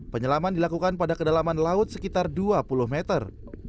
penyelaman dilakukan pada kedalaman laut sekitar dua puluh meter